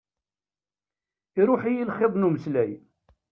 Iṛuḥ-iyi lxiḍ n umeslay.